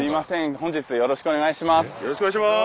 本日よろしくお願いします。